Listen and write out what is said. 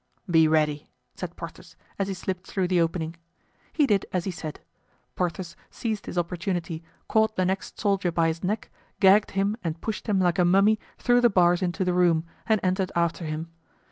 "Be ready," said Porthos, as he slipped through the opening. He did as he said. Porthos seized his opportunity, caught the next soldier by his neck, gagged him and pushed him like a mummy through the bars into the room, and entered after him.